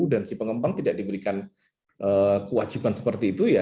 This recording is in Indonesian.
dan si pengembang tidak diberikan kewajiban seperti itu